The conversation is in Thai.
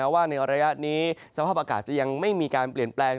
ว่าในระยะนี้สภาพอากาศจะยังไม่มีการเปลี่ยนแปลง